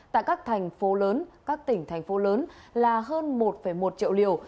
tại các thành phố lớn các tỉnh thành phố lớn là hơn một một triệu liều